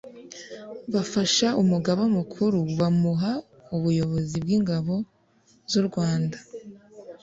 bafasha umugaba mukuru bamuha ubuyobozi bw’ingabo z’u rwanda